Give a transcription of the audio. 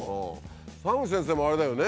澤口先生もあれだよね。